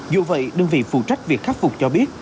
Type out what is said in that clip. dù vậy đơn vị phụ trách việc khắc phục cho biết